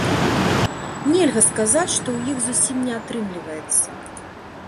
Нельга сказаць, што ў іх зусім не атрымліваецца.